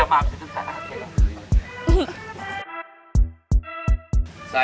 ya udah lah